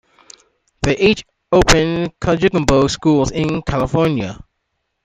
They each opened Kajukenbo schools in California.